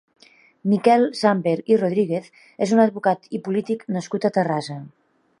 Miquel Sàmper i Rodríguez és un advocat i polític nascut a Terrassa.